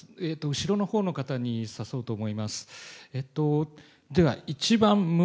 後ろのほうの方に指そうと思います。